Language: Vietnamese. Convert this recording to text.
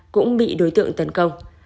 cũng bị đối tượng tấn công